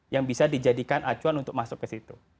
yang bisa dijadikan acuan untuk masuk ke situ